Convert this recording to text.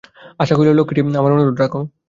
আশা কহিল, লক্ষ্মীটি, আমার অনুরোধ রাখো।